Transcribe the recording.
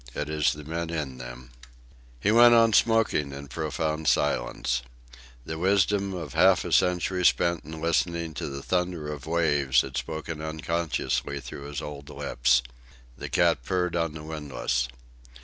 It is the men in them!" He went on smoking in the profound silence. The wisdom of half a century spent in listening to the thunder of the waves had spoken unconsciously through his old lips. The cat purred on the windlass.